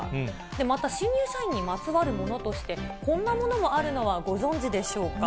また新入社員にまつわるものとして、こんなものもあるのはご存じでしょうか。